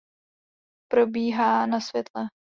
Probíhá na světle.